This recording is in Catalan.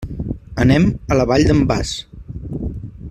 Anem a la Vall d'en Bas.